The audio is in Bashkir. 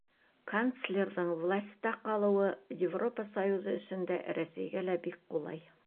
Канцлерҙың власта ҡалыуы Европа Союзы өсөн дә, Рәсәйгә лә бик ҡулай.